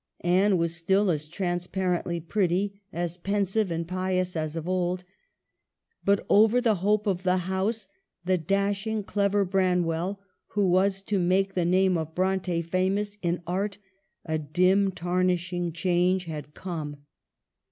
Anne was still as transpar ently pretty, as pensive and pious as of old ; but over the hope of the house, the dashing, clever Branwell, who was to make the name of Bronte famous in art, a dim, tarnishing change had come.